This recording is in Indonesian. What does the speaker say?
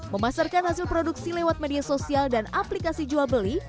memasarkan hasil produksi lewat media sosial dan aplikasi jual beli